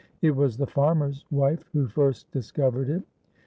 It was the farmer's wife who first discovered it.